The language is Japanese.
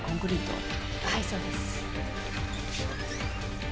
はいそうです。